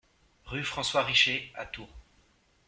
Rue François Richer à Tours